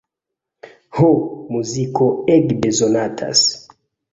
Ho, muziko ege bezonatas.